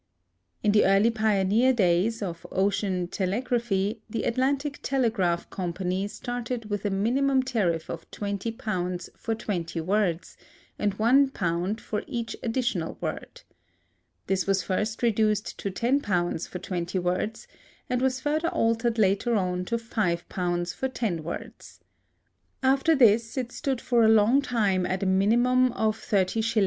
_ In the early pioneer days of ocean telegraphy the Atlantic Telegraph Company started with a minimum tariff of £20 for twenty words, and £1 for each additional word. This was first reduced to £10 for twenty words, and was further altered later on to £5 for ten words. After this it stood for a long time at a minimum of 30s.